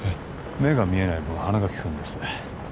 目が見えない分鼻が利くんです